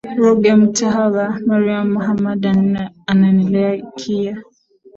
ruge mutahabwa mariam hamdani na ananilea ikya